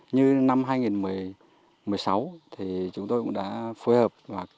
như năm hai nghìn một mươi sáu thì chúng tôi cũng đã phối hợp và